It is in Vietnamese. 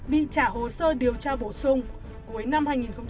bị trả hồ sơ điều tra bổ sung cuối năm hai nghìn hai mươi ba